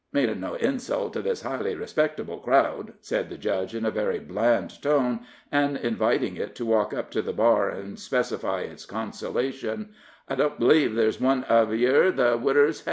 "Meanin' no insult to this highly respectable crowd," said the judge, in a very bland tone, and inviting it to walk up to the bar and specify its consolation, "I don't b'leeve there's one uv yer the widder'd hev."